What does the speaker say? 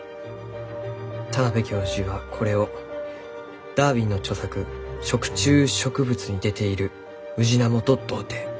田邊教授がこれを「ダーウィンの著作『食虫植物』に出ているムジナモと同定」。